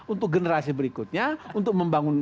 untuk generasi berikutnya untuk membangun